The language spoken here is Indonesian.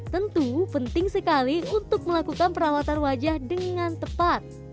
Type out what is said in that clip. tentu penting sekali untuk melakukan perawatan wajah dengan tepat